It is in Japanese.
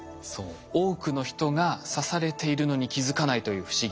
多くの人が刺されているのに気付かないという不思議。